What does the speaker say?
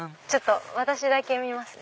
私だけ見ますね。